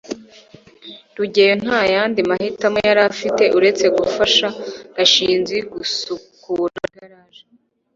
rugeyo nta yandi mahitamo yari afite uretse gufasha gashinzi gusukura igaraje